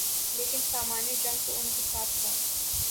لیکن سامان جنگ تو ان کے ساتھ تھا۔